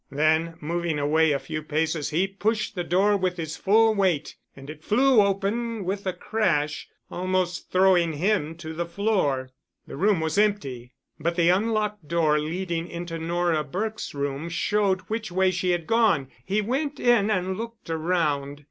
Then moving away a few paces he pushed the door with his full weight and it flew open with a crash, almost throwing him to the floor. The room was empty, but the unlocked door leading into Nora Burke's room showed which way she had gone. He went in and looked around.